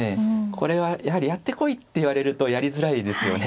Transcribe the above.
これはやはりやってこいって言われるとやりづらいですよね。